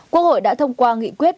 quốc hội đã thông qua nghị quyết